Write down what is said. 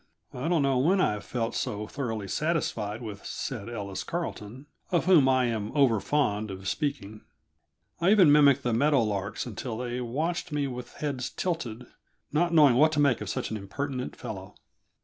I don't know when I have felt so thoroughly satisfied with said Ellis Carleton of whom I am overfond of speaking I even mimicked the meadow larks, until they watched me with heads tilted, not knowing what to make of such an impertinent fellow.